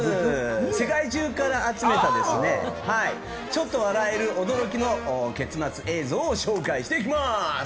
世界中から集めたちょっと笑える驚きの結末映像を紹介していきます。